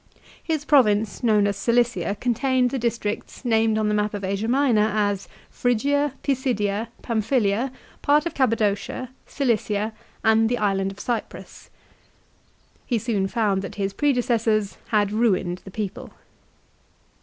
His province known as Cilicia contained the districts named 1 Ad Div. lib. iii. 5. * At Att. lib. v. 15. CILICIA. 99 on the map of Asia Minor as Phrygia, Pisidia, Pamphylia, part of Cappadocia, Cilicia and the island of Cyprus. He soon found that his predecessors had ruined the people.